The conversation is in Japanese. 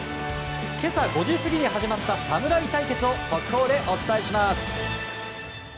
今朝５時過ぎに始まった侍対決を速報でお伝えします！